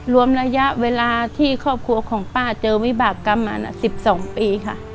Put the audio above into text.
รวมระยะเวลาที่ครอบครัวของป้าเจอวิบากรรมมา๑๒ปีค่ะ